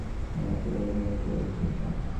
আমি একটা বড় ঝামেলায় পড়ে গেছি, লিংকন।